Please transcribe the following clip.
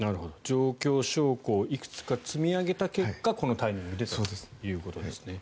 状況証拠をいくつか積み上げた結果このタイミングでということですね。